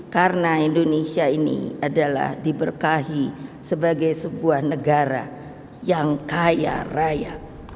karena indonesia ini adalah diberkahi sebagai sebuah negara yang kaya raya